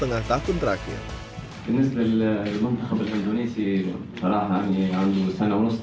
anda dapat maklumat dari tension di warriors